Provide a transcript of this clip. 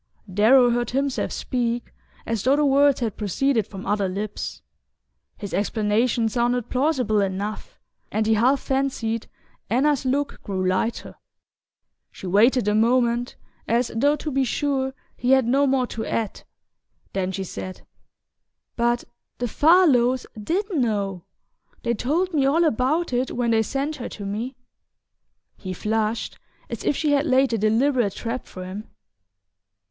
Darrow heard himself speak as though the words had proceeded from other lips. His explanation sounded plausible enough, and he half fancied Anna's look grew lighter. She waited a moment, as though to be sure he had no more to add; then she said: "But the Farlows DID know; they told me all about it when they sent her to me." He flushed as if she had laid a deliberate trap for him.